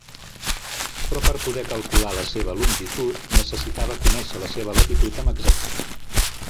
Però per poder calcular la seva longitud, necessitava conèixer la seva latitud amb exactitud.